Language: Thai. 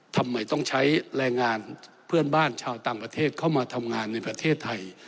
ทำไมต้องใช้แรงงานเพื่อนบ้านชาวต่างประเทศเข้ามาทำงานในประเทศไทย